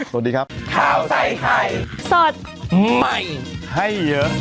โปรดติดตามตอนต่อไป